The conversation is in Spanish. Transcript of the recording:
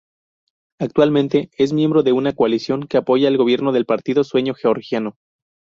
Actualmente, es miembro de una coalición que apoya al gobierno del partido Sueño Georgiano.